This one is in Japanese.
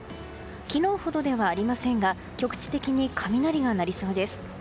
昨日ほどではありませんが局地的に雷が鳴りそうです。